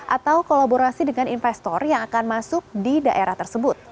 atau kolaborasi dengan investor yang akan masuk di daerah tersebut